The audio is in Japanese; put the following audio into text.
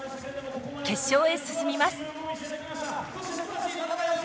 決勝へ進みます。